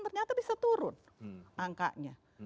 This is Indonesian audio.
ternyata bisa turun angkanya